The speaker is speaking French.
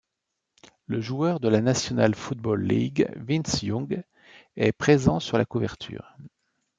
Le joueur de la National Football League Vince Young est présent sur la couverture.